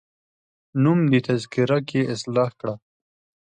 نوم دي تذکره کي اصلاح کړه